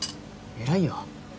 偉いよ。